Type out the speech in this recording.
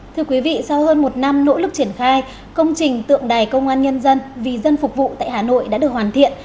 thưa quý vị sau hơn một năm nỗ lực triển khai công trình tượng đài công an nhân dân vì dân phục vụ tại hà nội đã được hoàn thiện